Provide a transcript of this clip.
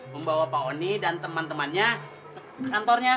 membawa pak oni dan teman temannya ke kantornya